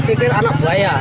pikir anak buaya